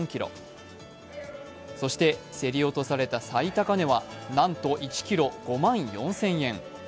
そして競り落とされた最高値はなんと１ｋｇ５万４０００円。